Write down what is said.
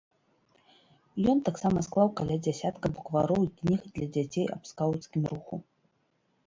Ён таксама склаў каля дзясятка буквароў і кніг для дзяцей аб скауцкім руху.